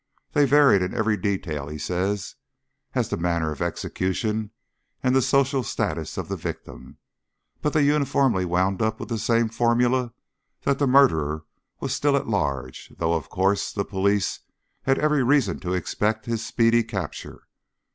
They varied in every detail, he says, as to the manner of execution and the social status of the victim, but they uniformly wound up with the same formula that the murderer was still at large, though, of course, the police had every reason to expect his speedy capture.